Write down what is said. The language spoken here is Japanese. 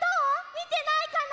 みてないかな？